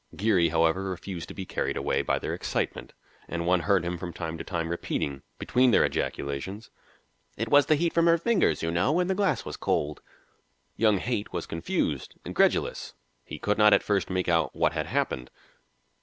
Geary, however, refused to be carried away by their excitement, and one heard him from time to time repeating, between their ejaculations, "It was the heat from her fingers, you know, and the glass was cold." Young Haight was confused, incredulous; he could not at first make out what had happened.